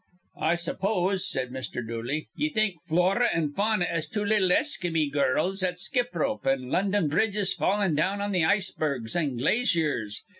"I suppose," said Mr. Dooley, "ye think Flora an' Fauna is two little Eskeemy girls at skip rope an' 'London bridge is fallin' down' on th' icebergs an' glaziers.